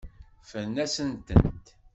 Ffrent-asent-tent.